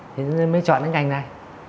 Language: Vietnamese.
thế nên mới chọn cái ngành này